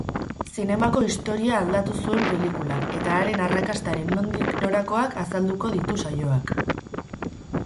Zinemako historia aldatu zuen pelikulak eta haren arrakastaren nondik norakoak azalduko ditu saioak.